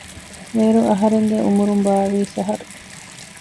އޭރު އަހަރެންގެ އުމުރުން ބާވީސް އަހަރު